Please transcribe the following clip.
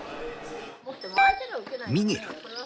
ミゲル。